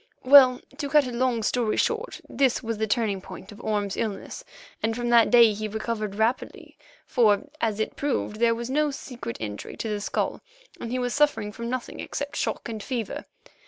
Well, to cut a long story short, this was the turning point of Orme's illness, and from that day he recovered rapidly, for, as it proved, there was no secret injury to the skull, and he was suffering from nothing except shock and fever.